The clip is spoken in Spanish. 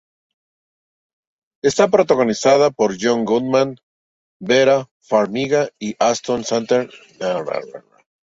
Está protagonizada por John Goodman, Vera Farmiga, Ashton Sanders y Jonathan Majors.